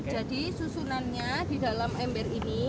jadi susunannya di dalam ember ini